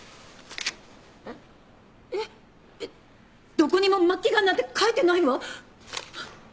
どこにも末期癌なんて書いてないわ！